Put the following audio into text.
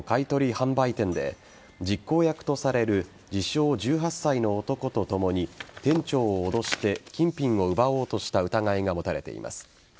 販売店で実行役とされる自称１８歳の男とともに店長を脅して金品を奪おうとした疑いが持たれています。